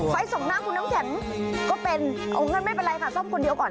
ส่งน้ำคุณน้ำแข็งก็เป็นเอางั้นไม่เป็นไรค่ะซ่อมคนเดียวก่อน